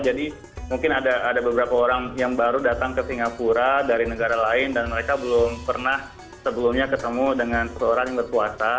jadi mungkin ada beberapa orang yang baru datang ke singapura dari negara lain dan mereka belum pernah sebelumnya ketemu dengan seseorang yang berpuasa